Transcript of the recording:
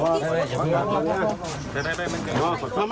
พ่อขอบคุณครับ